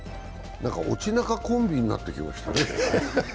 落・中コンビになってきましたね。